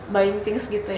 buying things gitu ya